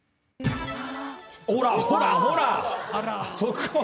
ほらほらほら。